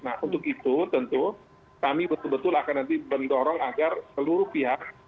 nah untuk itu tentu kami betul betul akan nanti mendorong agar seluruh pihak